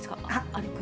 歩く。